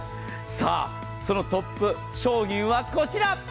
さあ、そのトップ商品はこちら！